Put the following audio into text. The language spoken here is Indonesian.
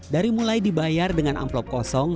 dari mulai dibayar dengan amplop kosong